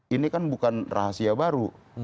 ini kan bukan rahasia baru